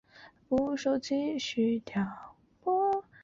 为网络模因图片的一种。